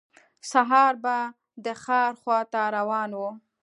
سهار به د ښار خواته روان و.